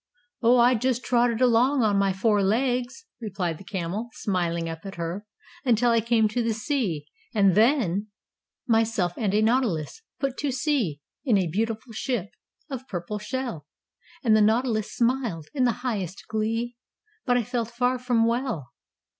"Oh, I just trotted along on my four legs," replied the Camel, smiling up at her, "until I came to the sea, and then Myself and a Nautilus Put to sea In a beautiful ship Of purple shell. And the Nautilus smiled In the highest glee, But I felt far from well.